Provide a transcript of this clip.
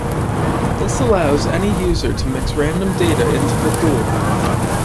This allows any user to mix random data into the pool.